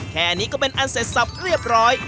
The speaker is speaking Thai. แค่นี้ก็เป็นอันเสร็จสับเรียบร้อย